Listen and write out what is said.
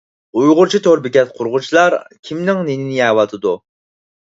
ئۇيغۇرچە تور بېكەت قۇرغۇچىلار كىمنىڭ نېنىنى يەۋاتىدۇ؟